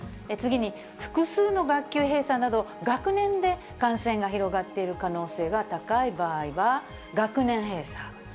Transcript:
次に、複数の学級閉鎖など、学年で感染が広がっている可能性が高い場合は、学年閉鎖。